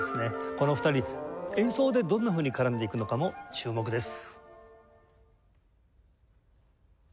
この２人演奏でどんなふうに絡んでいくのかも注目です。